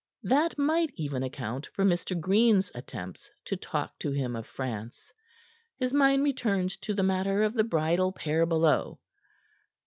That might even account for Mr. Green's attempts to talk to him of France. His mind returned to the matter of the bridal pair below.